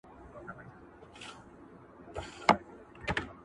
له پلرونو له نيكونو موږك خان يم.!